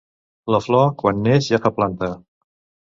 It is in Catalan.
La flor, quan neix, ja fa planta.